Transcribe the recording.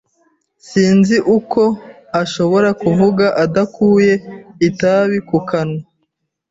Sinzi uko ashobora kuvuga adakuye itabi mu kanwa.